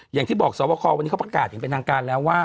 อย่างที่บอกสวบคอวันนี้เขาประกาศอย่างเป็นทางการแล้วว่า